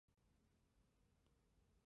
这是我们来的原因。